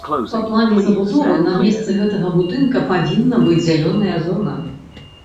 Па плане забудовы на месцы гэтага будынка павінна быць зялёная зона.